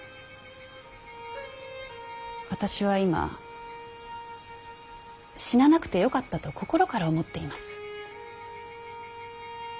私は今死ななくてよかったと心から思っています。